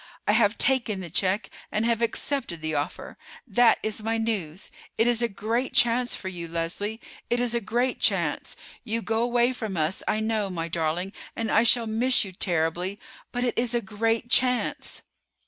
I have taken the check and have accepted the offer. That is my news. It is a great chance for you, Leslie; it is a great chance. You go away from us, I know, my darling, and I shall miss you terribly; but it is a great chance."